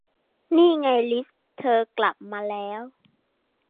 นี่ไงลิซ เธอกลับมาแล้ว